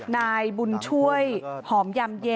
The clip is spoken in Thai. นายบุญช่วยหอมยำเย